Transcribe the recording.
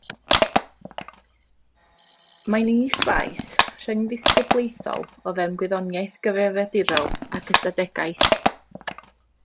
Mae'n is faes rhyngddisgyblaethol o fewn gwyddoniaeth gyfrifiadurol ac ystadegaeth.